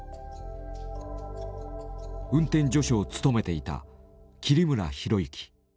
運転助手を務めていた桐村博之。